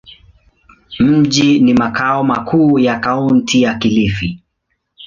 Mji ni makao makuu ya Kaunti ya Kilifi.